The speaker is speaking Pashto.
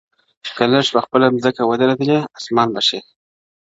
که لږ پخپله ځمکه اودریدې، آسمان به شې.